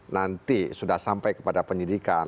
nanti sudah sampai kepada penyidikan